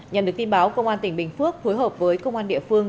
nhận được tin báo công an tỉnh bình phước phối hợp với công an địa phương